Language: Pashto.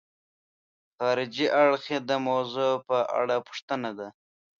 خارجي اړخ یې د موضوع په اړه پوښتنه ده.